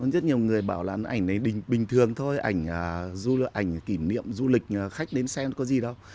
rất nhiều người bảo là ảnh này bình thường thôi ảnh kỷ niệm du lịch khách đến xem có gì đâu